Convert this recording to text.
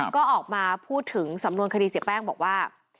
ก็ออกมาพูดถึงสำนวนคดีเสียแป้งบอกว่า